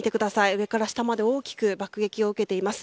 上から下まで大きく爆撃を受けています。